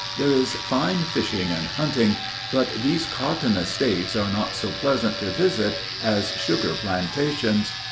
There is fine fishing and hunting, but these cotton estates are not so pleasant to visit as sugar plantations.